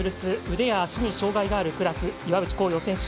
腕や足に障がいがあるクラス岩渕幸洋選手